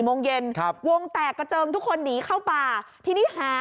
โมงเย็นครับวงแตกกระเจิงทุกคนหนีเข้าป่าทีนี้หา